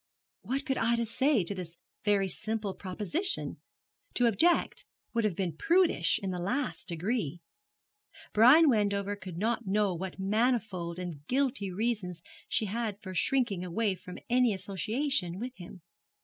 What could Ida say to this very simple proposition? To object would have been prudish in the last degree. Brian Wendover could not know what manifold and guilty reasons she had for shrinking from any association with him.